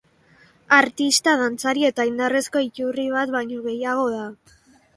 Artista, dantzari eta indarrezko iturri bat baino gehiago da.